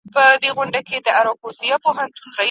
نادرشاه په سارنګۍ څنګه ماتیږي؟